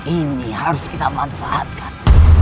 ini harus kita manfaatkan